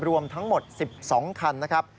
รวมทั้งหมด๑๒คันนะครับ